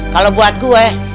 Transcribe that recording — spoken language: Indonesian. kalau buat gue